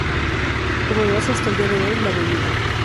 Como lo hace hasta el día de hoy, la bebida.